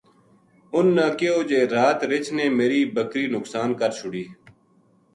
اُنھ نا کہیو جے رات رچھ نے میری بکری نُقصان کر چھُری